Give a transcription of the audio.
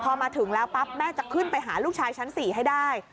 พอมาถึงแล้วปั๊บแม่จะขึ้นไปหาลูกชายชั้น๔ให้ได้